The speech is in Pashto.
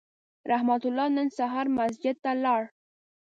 رحمت الله نن سهار مسجد ته لاړ